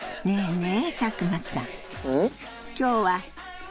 ねえ。